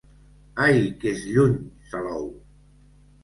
Ai, que és lluny, Salou!